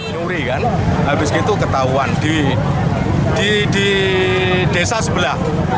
pencurian habis itu ketahuan di desa sebelah